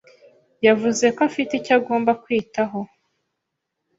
yavuze ko afite icyo agomba kwitaho.